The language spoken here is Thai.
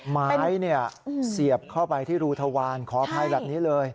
ไม้เสียบเข้าไปที่รูทวารขออภัยแบบนี้เลย